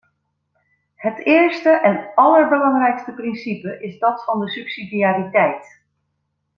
Het eerste en allerbelangrijkste principe is dat van de subsidiariteit.